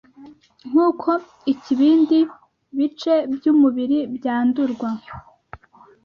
nk’uko icy’ibindi bice by’umubiri byandurwa